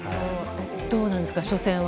どうなんですか、初戦は。